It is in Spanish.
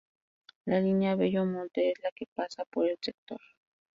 La línea Bello Monte es la que pasa por el sector.